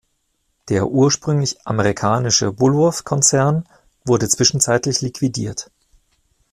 Der ursprüngliche amerikanische Woolworth Konzern wurde zwischenzeitlich liquidiert.